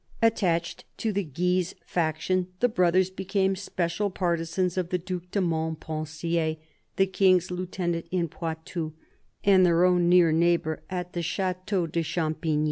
Attached to the Guise faction, the brothers became special partisans of the Due de Montpensier, the King's lieutenant in Poitou and their own near neighbour at the Chateau de 4 CARDINAL DE RICHELIEU Champigny.